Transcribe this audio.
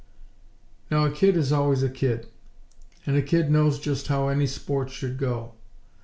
Now a kid is always a kid; and a kid knows just how any sport should go.